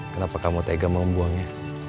kenapa kamu tega membuangnya